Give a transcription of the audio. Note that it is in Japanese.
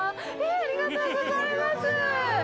ありがとうございます！